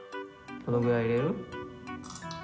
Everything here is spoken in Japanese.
・どのぐらいいれる？